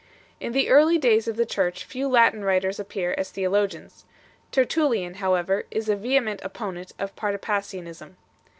In the early days of the Church few Latin writers appear as theologians. Tertullian, however, is a vehement opponent of Patripassianism.